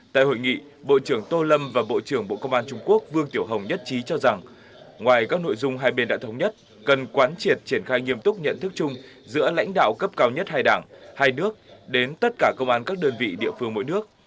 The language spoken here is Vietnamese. tại hội nghị bộ trưởng tô lâm và bộ trưởng bộ công an trung quốc vương tiểu hồng nhất trí cho rằng ngoài các nội dung hai bên đã thống nhất cần quán triệt triển khai nghiêm túc nhận thức chung giữa lãnh đạo cấp cao nhất hai đảng hai nước đến tất cả công an các đơn vị địa phương mỗi nước